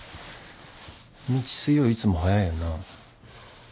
みち水曜いつも早いよな？